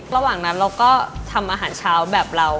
ระหว่างนั้นเราก็ทำอาหารเช้าแบบเรา